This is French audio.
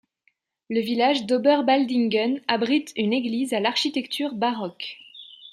Le village d'Oberbaldingen abrite une église à l'architecture baroque.